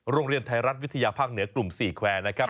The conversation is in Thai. โรงเรียนไทยรัฐวิทยาภาคเหนือกลุ่ม๔แควร์นะครับ